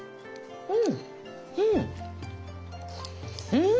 うん！